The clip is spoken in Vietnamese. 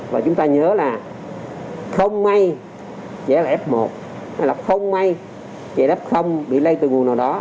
và chúng ta nhớ là không may trẻ là f một hay là không may trẻ đáp không bị lây từ nguồn nào đó